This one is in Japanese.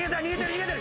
逃げてる。